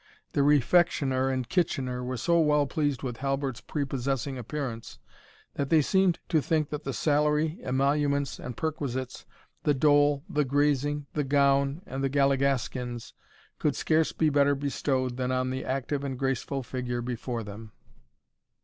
The Refectioner and Kitchener were so well pleased with Halbert's prepossessing appearance, that they seemed to think that the salary, emoluments, and perquisites, the dole, the grazing, the gown, and the galligaskins, could scarce be better bestowed than on the active and graceful figure before them.